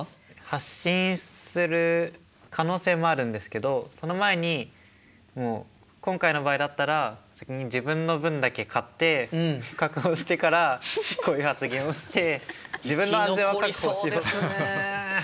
発信する可能性もあるんですけどその前にもう今回の場合だったら先に自分の分だけ買って確保してからこういう発言をして自分の安全は確保。